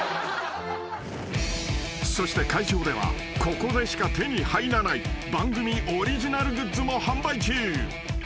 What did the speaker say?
［そして会場ではここでしか手に入らない番組オリジナルグッズも販売中］